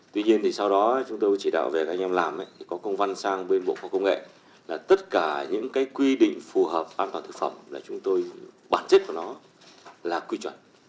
tuy nhiên thì sau đó chúng tôi chỉ đạo về anh em làm có công văn sang bên bộ khoa công nghệ là tất cả những cái quy định phù hợp an toàn thực phẩm là chúng tôi bản chất của nó là quy chuẩn